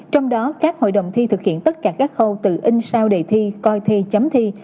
trong đó các hội đồng thi thực hiện tất cả các khâu từ in sao đề thi coi thi chấm thi